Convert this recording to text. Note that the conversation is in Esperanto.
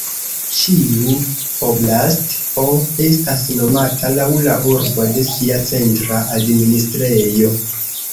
Ĉiu "oblast"o estas nomata laŭ la urbo de sia centra administrejo.